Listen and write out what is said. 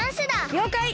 りょうかい！